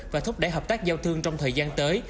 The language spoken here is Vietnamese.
và thúc đẩy hợp tác giao thương trong thời gian tới